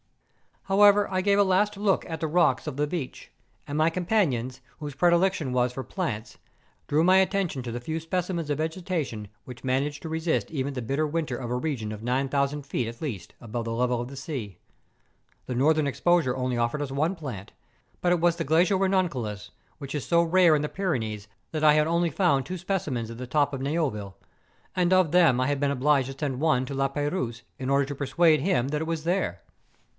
However, I gave a last look at the rocks of the the beach, and my companions, whose predilection was for plants, drew my attention to the few spe¬ cimens of vegetation which managed to resist even the bitter winter of a region of 9000 feet at least above the level of the sea. The northern exposure only offered us one plant; but it was the glacial re nonculus, which is so rare in the Pyrenees that I had only found two specimens at the top of Neou ville, and of them I had been obliged to send one to La Peyrouse, in order to persuade him that it was there.